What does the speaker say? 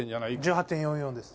１８．４４です。